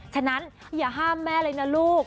ฉะนั้นอย่าห้ามแม่เลยนะลูก